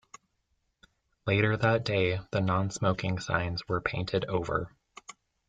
Later that day, the nonsmoking signs were painted over.